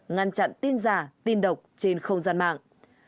ngăn chặn tin giả tin độc trên không gian mạng